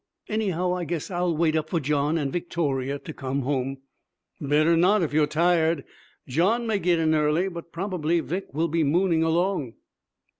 Anyhow, I guess I'll wait up for John and Victoria to come home.' 'Better not, if you're tired. John may get in early, but probably Vic will be mooning along.'